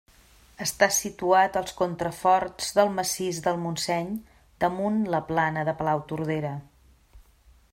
Està situat als contraforts del massís del Montseny damunt la plana de Palautordera.